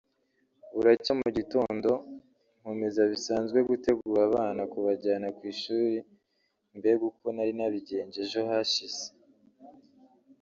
buracya mu gitondo nkomeza bisanzwe gutegura abana kubajyana ku ishuli mbega uko nari nabigenje ejo hashize